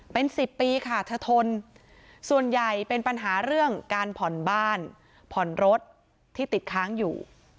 เป็น๑๐ปีค่ะเธอทนส่วนใหญ่เป็นปัญหาเรื่องการผ่อนบ้านผ่อนรถที่ติดค้างอยู่